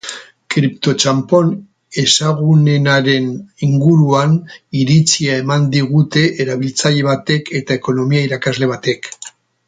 Kriptotxanpon ezagunenaren inguruan iritzia eman digute erabiltzaile batek eta ekonomia irakasle batek.